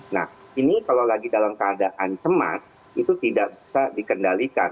nah ini kalau lagi dalam keadaan cemas itu tidak bisa dikendalikan